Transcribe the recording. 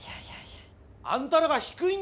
あんたらが低いんですよ！